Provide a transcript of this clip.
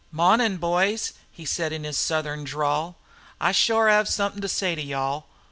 "Mawnin', boys," he said, in his Southern drawl. "I shore hev somethin' to say to yo' all.